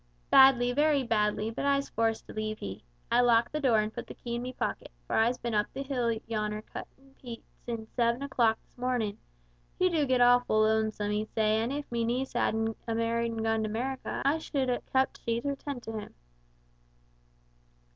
"Badly, very badly, but I's forced to leave he. I lock the door and put the key in me pocket, for I's bin up the hill yonner cuttin' peat sin seven o'clock this mornin'. He do get awfu' lonesome, he say, an' if me niece hadn't a married and gone to 'Merica, I should have kept she to tend him."